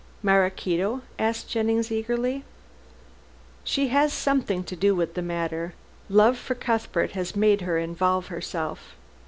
"Maraquito?" asked Jennings eagerly. "She has something to do with the matter. Love for Cuthbert has made her involve herself.